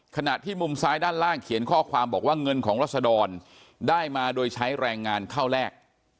ขณะที่มุมซ้ายด้านล่างเขียนข้อความบอกว่าเงินของรัศดรได้มาโดยใช้แรงงานเข้าแลก